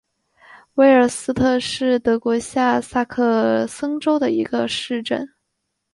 维尔斯特是德国下萨克森州的一个市镇。